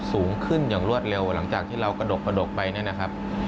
สูงขึ้นอย่างรวดเร็วหลังจากที่เรากระดกกระดกไปเนี่ยนะครับ